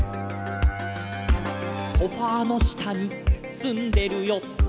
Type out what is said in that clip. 「ソファの下にすんでるよ」